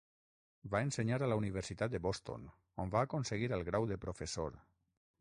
Va ensenyar a la Universitat de Boston, on va aconseguir el grau de professor.